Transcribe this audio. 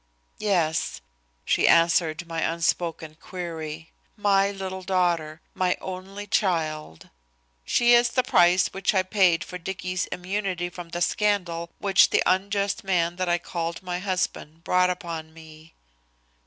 "Yes," she answered my unspoken query, "my little daughter; my only child. She is the price I paid for Dicky's immunity from the scandal which the unjust man that I called husband brought upon me."